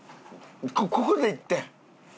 ここでいってん。